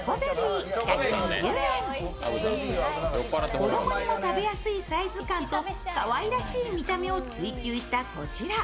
子供にも食べやすいサイズ感とかわいらしい見た目を追求したこちら。